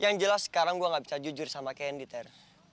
yang jelas sekarang gue gak bisa jujur sama knditer